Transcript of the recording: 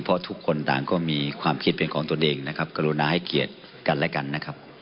เพราะทุกคนต่างก็มีความคิดเป็นของตนเองนะครับกรุณาให้เกียรติกันและกันนะครับ